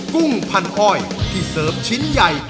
กุ้งพันอ้อยที่เสริมชิ้นใหญ่